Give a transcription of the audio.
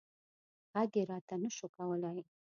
غږ یې راته نه شو کولی.